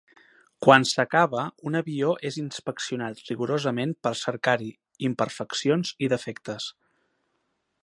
Quan s'acaba, un avió és inspeccionat rigorosament per cercar-hi imperfeccions i defectes.